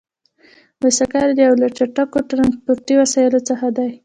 بایسکل یو له چټکو ترانسپورتي وسیلو څخه دی.